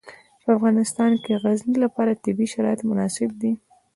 په افغانستان کې د غزني لپاره طبیعي شرایط مناسب دي.